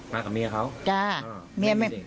มากับเมียเขา